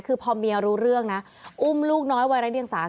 คือพอเมียรู้เรื่องนะอุ้มลูกน้อยวัยไร้เดียงสา